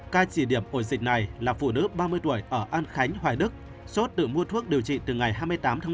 ca chỉ điểm ổ dịch này là phụ nữ ba mươi tuổi ở an khánh hoài đức sốt tự mua thuốc điều trị từ ngày hai mươi tám tháng một mươi